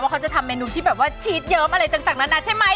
เขาจะทำเมนูที่แบบว่าชีสเยิ้มอะไรต่างนานาใช่ไหม